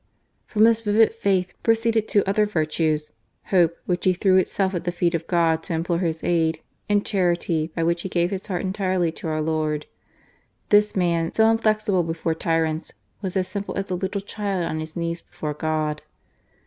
" From this vivid faith proceeded two other virtues: hope, which threw itself at the feet of God to implore His aid ; and charity, by which he gave his heart entirely to our Lord. This man, THE TRUE CHRISTIAN. 271 SO inflexible before tyrants, was as simple as a little child on his knees before God.